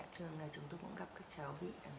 thường là chúng tôi cũng gặp các cháu